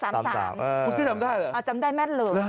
คุณกี้จำได้เหรอจำได้แม่นเลย